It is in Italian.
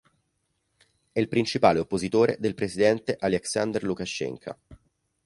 È il principale oppositore del presidente Aljaksandr Lukašėnka.